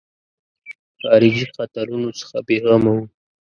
خارجي خطرونو څخه بېغمه وو.